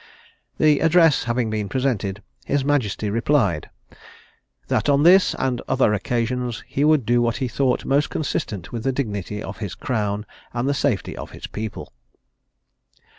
The address having been presented, his majesty replied: "That on this, and other occasions, he would do what he thought most consistent with the dignity of his crown, and the safety of his people."